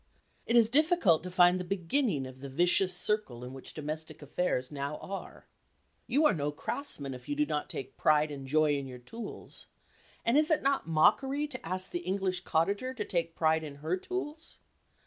It is difficult to find the beginning of the vicious circle in which domestic affairs now are. You are no craftsman if you do not take pride and joy in your tools, and is it not mockery to ask the English cottager to take pride in her tools?